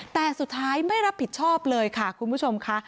แต่สุดท้ายไม่รับผิดชอบเลยค่ะคุณผู้ชมค่ะ